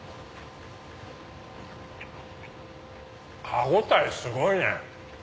歯応えすごいね！